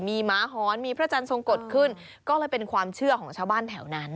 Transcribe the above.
มีหมาหอนมีพระจันทร์ทรงกฎขึ้นก็เลยเป็นความเชื่อของชาวบ้านแถวนั้น